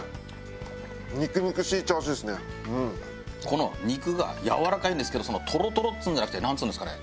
この肉がやわらかいんですけどとろとろっつうんじゃなくてなんつうんですかね